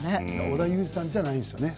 織田裕二さんじゃないんですよね。